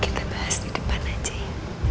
kita bahas di depan aja ya